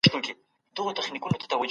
په دغي کیسې کي یو حقیقت دی.